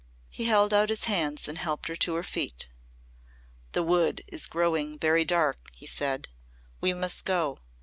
He held out his hands and helped her to her feet. "The Wood is growing very dark," he said. "We must go.